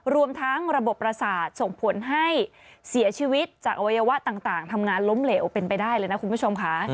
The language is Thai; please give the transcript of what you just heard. รวมทั้งระบบประสาทส่งผลให้เสียชีวิตจากอวัยวะต่างทำงานล้มเหลวเป็นไปได้เลยนะคุณผู้ชมค่ะ